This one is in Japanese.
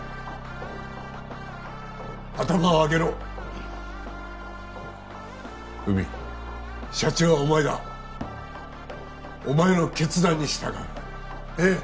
頭を上げろ海社長はお前だお前の決断に従うええ